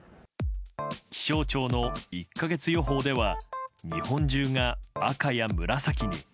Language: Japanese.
気象庁の１か月予報では日本中が赤や紫に。